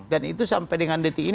dan itu sampai dengan detik ini